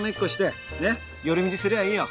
寄り道すりゃあいいよ。